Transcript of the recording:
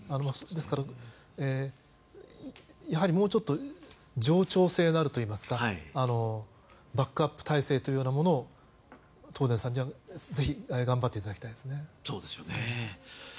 ですから、やはりもうちょっと冗長性があるといいますかバックアップ体制というものを東電さんにはぜひ頑張っていただきたいですね。